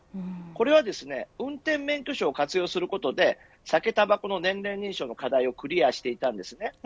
これは運転免許証を活用することで酒、たばこの年齢認証の課題をクリアしていたんです。